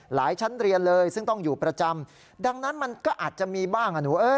ชั้นเรียนเลยซึ่งต้องอยู่ประจำดังนั้นมันก็อาจจะมีบ้างอ่ะหนูเอ้ย